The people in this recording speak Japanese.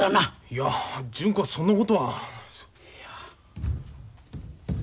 いや純子はそんなことは。